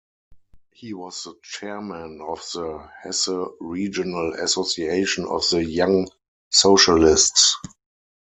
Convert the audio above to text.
He was the chairman of the Hesse regional association of the Young-Socialists.